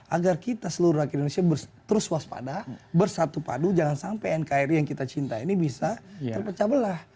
agar kita seluruh rakyat indonesia terus waspada bersatu padu jangan sampai nkri yang kita cinta ini bisa terpecah belah